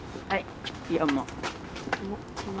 はい。